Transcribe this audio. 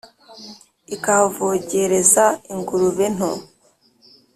Ikahavogereza ingurube nto